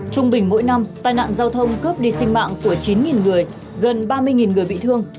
trung bình mỗi năm tai nạn giao thông cướp đi sinh mạng của chín người gần ba mươi người bị thương